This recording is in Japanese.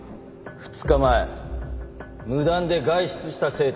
２日前無断で外出した生徒がいた。